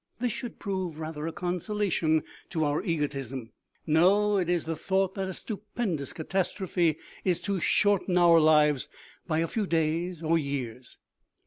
This should prove rather a consolation to our egotism. No, it is the thought that a stupendous catastrophe is to shorten our lives by a few days or years.